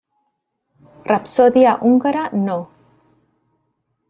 Rapsodia Húngara no.